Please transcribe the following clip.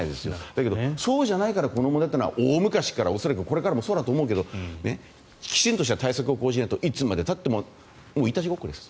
だけどそうじゃないからこの問題は大昔から恐らくこれからもそうだと思うけどきちんとした対策を講じないといつまでたってもいたちごっこです。